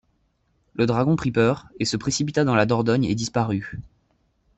Le dragon prit peur et se précipita dans la Dordogne et disparut.